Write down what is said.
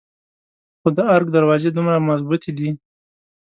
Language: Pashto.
خو د ارګ دروازې دومره مظبوتې دي.